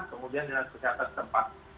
kemudian dinas kesehatan tempat